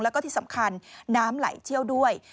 แล้วก็ที่สำคัญน้ำไหลเชี่ยวด้วย